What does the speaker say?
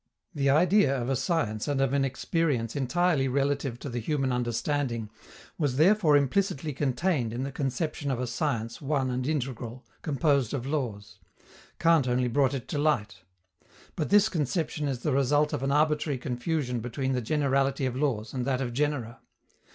The idea of a science and of an experience entirely relative to the human understanding was therefore implicitly contained in the conception of a science one and integral, composed of laws: Kant only brought it to light. But this conception is the result of an arbitrary confusion between the generality of laws and that of genera.